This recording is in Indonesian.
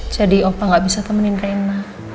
jadi opa gak bisa temenin reina